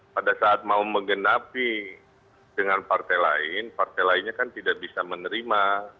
pada saat mau menggenapi dengan partai lain partai lainnya kan tidak bisa menerima